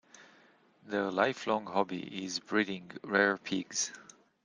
Their lifelong hobby is breeding rare pigs.